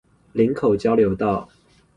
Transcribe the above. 林口交流道